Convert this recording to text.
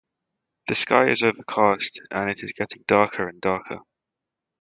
The sky is overcast and it is getting darker and darker.